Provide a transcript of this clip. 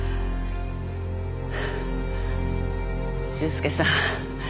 修介さん。